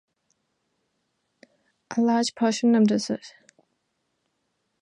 A large portion of the shares are presently owned by Ludwig Mack's descendants.